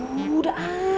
aduh udah ah